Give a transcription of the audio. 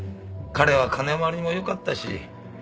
彼は金回りもよかったし。